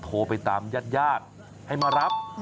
โทรไปตามญาติญาติให้มารับ